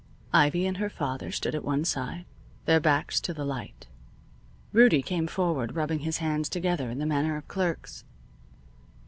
Ivy and her father stood at one side, their backs to the light. Rudie came forward, rubbing his hands together in the manner of clerks.